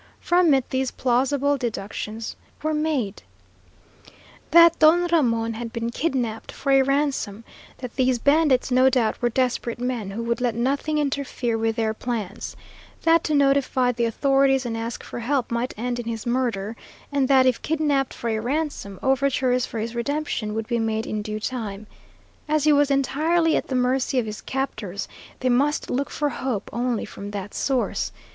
From it these plausible deductions were made: That Don Ramon had been kidnapped for a ransom; that these bandits no doubt were desperate men who would let nothing interfere with their plans; that to notify the authorities and ask for help might end in his murder; and that if kidnapped for a ransom, overtures for his redemption would be made in due time. As he was entirely at the mercy of his captors, they must look for hope only from that source.